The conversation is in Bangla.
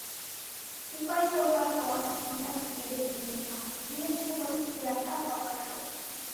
উপায় করবার পথ বিধাতা মেয়েদের দিলেন না, দিলেন কেবল ব্যথা পাবার শক্তি।